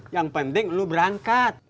yang penting lu berangkat